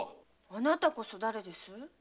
あなたこそだれです？